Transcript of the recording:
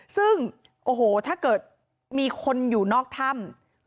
ซึ่งโอ้โหถ้าเกิดมีคนอยู่นอกถ้ำ